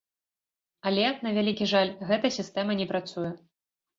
Але, на вялікі жаль, гэта сістэма не працуе.